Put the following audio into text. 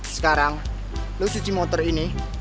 sekarang lo cuci motor ini